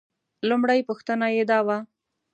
لومړۍ پوښتنه یې دا وه.